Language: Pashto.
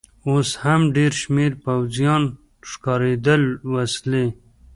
اوس هم ډېر شمېر پوځیان ښکارېدل، وسلې.